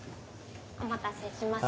お待たせしました。